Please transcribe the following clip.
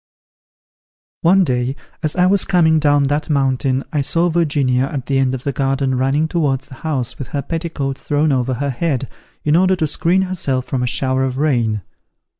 One day as I was coming down that mountain, I saw Virginia at the end of the garden running towards the house with her petticoat thrown over her head, in order to screen herself from a shower of rain.